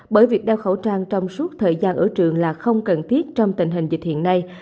bởi việc đeo khẩu trang trong suốt thời gian ở trường là không cần thiết trong tình hình dịch hiện nay